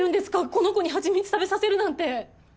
この子にはちみつ食べさせるなんて！